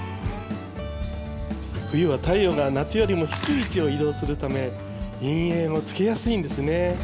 冬は太陽が夏よりも低い位置を移動するため陰影をつけやすいんですね。